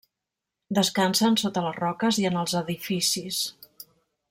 Descansen sota les roques i en els edificis.